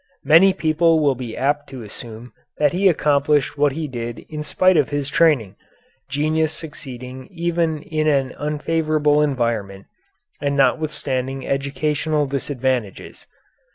Many people will be apt to assume that he accomplished what he did in spite of his training, genius succeeding even in an unfavorable environment, and notwithstanding educational disadvantages.